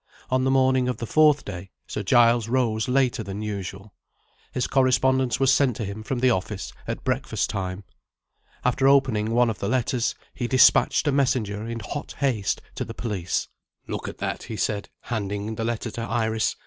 On the morning of the fourth day, Sir Giles rose later than usual. His correspondence was sent to him from the office, at breakfast time. After opening one of the letters, he dispatched a messenger in hot haste to the police. "Look at that," he said, handing the letter to Iris.